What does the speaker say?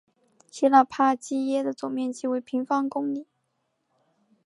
谢讷帕基耶的总面积为平方公里。